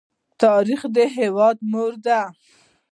تاریخ د هېواد مور ده.